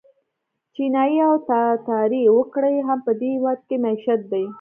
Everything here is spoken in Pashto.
چینایي او تاتاري وګړي هم په دې هېواد کې مېشت دي.